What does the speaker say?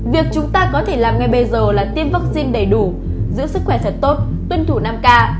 việc chúng ta có thể làm ngay bây giờ là tiêm vaccine đầy đủ giữ sức khỏe thật tốt tuân thủ năm k